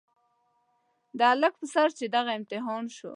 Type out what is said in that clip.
د هلک په سر چې دغه امتحان شو.